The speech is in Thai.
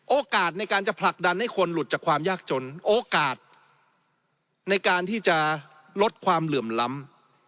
โอกาสในการจะผลักดันให้คนหลุดจากความยากจนโอกาสในการที่จะลดความเหลื่อมล้ำ